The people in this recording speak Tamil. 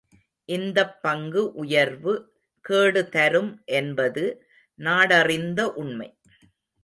இந்தப் பங்கு உயர்வு கேடுதரும் என்பது நாடறிந்த உண்மை.